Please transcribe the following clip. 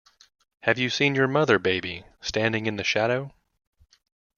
Have You Seen Your Mother, Baby, Standing in the Shadow?